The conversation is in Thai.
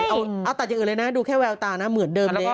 เอาตัดอย่างอื่นเลยนะดูแค่แววตานะเหมือนเดิมเลย